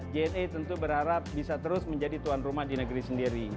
jna tentu berharap bisa terus menjadi tuan rumah di negeri sendiri